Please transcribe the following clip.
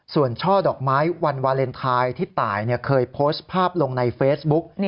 ส่วนช่อดอกไม้วันวาเลนไทยที่ตายเคยโพสต์ภาพลงในเฟซบุ๊ก